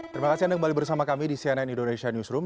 terima kasih anda kembali bersama kami di cnn indonesia newsroom